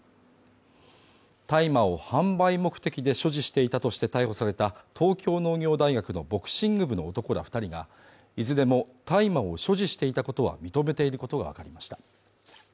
大麻を販売目的で所持していたとして逮捕された東京農業大学のボクシング部の男ら２人がいずれも大麻を所持していたことは認めていることがわかりました。